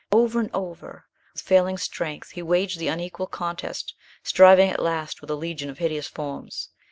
Over and over, with failing strength, he waged the unequal contest, striving at last with a legion of hideous forms.